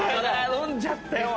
飲んじゃったよ。